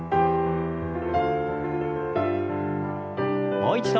もう一度。